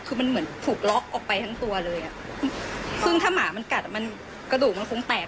คือมันเหมือนถูกล็อกออกไปทั้งตัวเลยอ่ะซึ่งถ้าหมามันกัดอ่ะมันกระดูกมันคงแตก